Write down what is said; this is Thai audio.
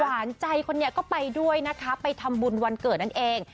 หวานใจคนนี้ก็ไปด้วยนะคะไปทำบุญวันเกิดนั่นเอง